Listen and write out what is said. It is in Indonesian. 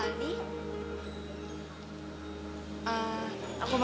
rani mama antar ke dalam ya